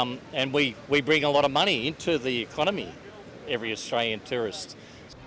dan kami membawa banyak uang ke ekonomi para turis australia